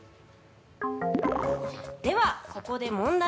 では、ここで問題。